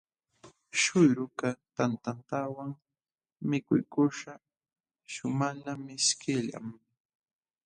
Śhuyrukaq tantantawan mikuykuśhqa shumaqlla mishkillam.